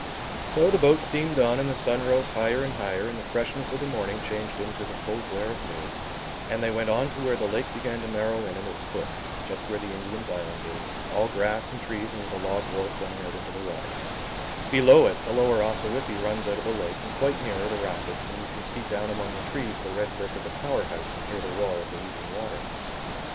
So the boat steamed on and the sun rose higher and higher, and the freshness of the morning changed into the full glare of noon, and they went on to where the lake began to narrow in at its foot, just where the Indian's Island is, all grass and trees and with a log wharf running into the water: Below it the Lower Ossawippi runs out of the lake, and quite near are the rapids, and you can see down among the trees the red brick of the power house and hear the roar of the leaping water.